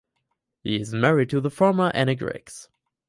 He is married to the former Anne Griggs.